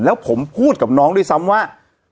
แล้วผมพูดกับน้องด้วยซ้ำว่า